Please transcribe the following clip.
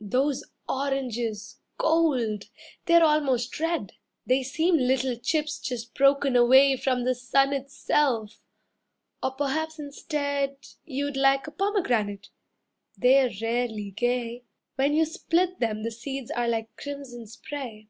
Those oranges Gold! They're almost red. They seem little chips just broken away From the sun itself. Or perhaps instead You'd like a pomegranate, they're rarely gay, When you split them the seeds are like crimson spray.